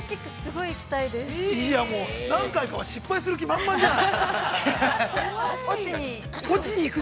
◆いや、もう、なんか、失敗する気満々じゃん。